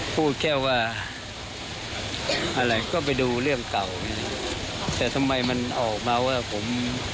พูดแค่ว่าอะไรก็ไปดูเรื่องเก่าแต่ทำไมมันออกมาว่าผม